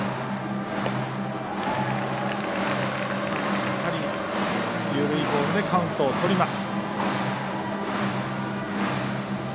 しっかり緩いボールでカウントをとります。